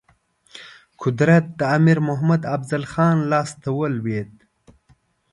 قدرت د امیر محمد افضل خان لاسته ولوېد.